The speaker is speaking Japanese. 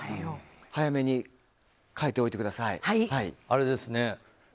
早めに替えておいてください。